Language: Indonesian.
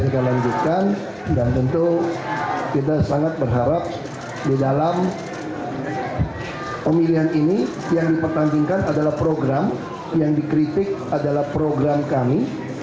kita lanjutkan dan tentu kita sangat berharap di dalam pemilihan ini yang dipertandingkan adalah program yang dikritik adalah program kami